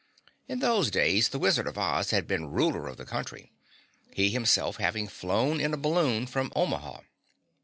In those days the Wizard of Oz had been ruler of the country, he himself having flown in a balloon from Omaha.